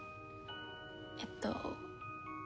えっと。